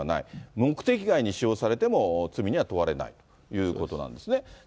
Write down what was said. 目的外に使用されても罪には問われないということなんですね。